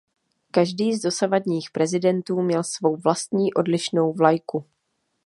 Každý z dosavadních prezidentů měl svou vlastní odlišnou vlajku.